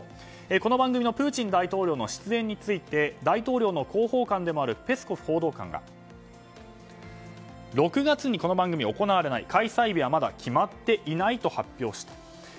この番組へのプーチン大統領の出演について大統領の広報官でもあるペスコフ報道官が６月にこの番組行われない開催日はまだ決まっていないと発表した。